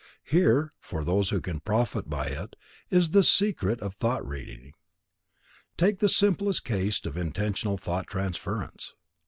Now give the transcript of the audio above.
Here, for those who can profit by it, is the secret of thought reading. Take the simplest case of intentional thought transference.